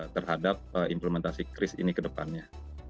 terhadap implementasi kris ini ke depannya